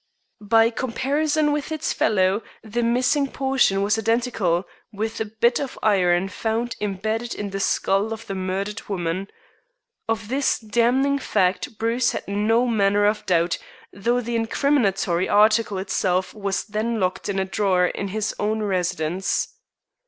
By comparison with its fellow the missing portion was identical with the bit of iron found imbedded in the skull of the murdered woman. Of this damning fact Bruce had no manner of doubt, though the incriminatory article itself was then locked in a drawer in his own residence.